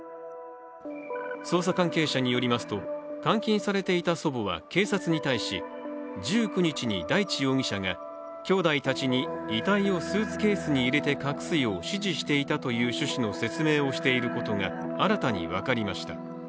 捜査関係者によりますと、監禁されていた祖母は警察に対し１９日に大地容疑者がきょうだいたちに遺体をスーツケースに入れて隠すよう指示していたという趣旨の説明をしていることが新たに分かりました。